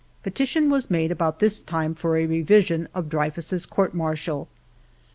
Petition was made about this time for a revision of Dreyfus's court martial.